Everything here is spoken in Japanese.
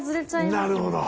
なるほど。